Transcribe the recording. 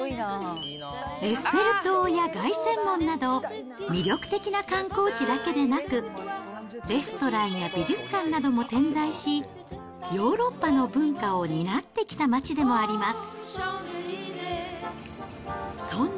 エッフェル塔や凱旋門など、魅力的な観光地だけでなく、レストランや美術館なども点在し、ヨーロッパの文化を担ってきた街でもあります。